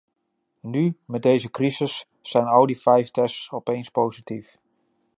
Nu, met deze crisis, zijn al die vijf tests opeens positief.